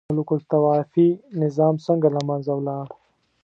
ملوک الطوایفي نظام څنګه له منځه ولاړ؟